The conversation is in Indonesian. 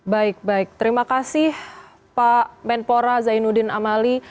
baik baik terima kasih pak menpora zainuddin amali